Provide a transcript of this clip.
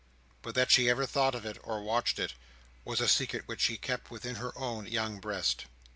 But that she ever thought of it, or watched it, was a secret which she kept within her own young breast.